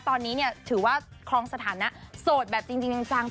ตอนนี้เนี่ยถือว่าครองสถานะโสดแบบจริงจัง